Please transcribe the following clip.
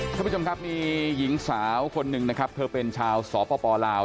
ทุกคนครับมีหญิงสาวคนหนึ่งนะครับเธอเป็นชาวสอปปลาว